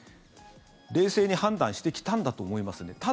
冷静に判断してきたんだと思いますね。